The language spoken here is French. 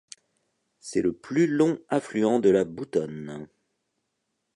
C'est le plus long affluent de la Boutonne.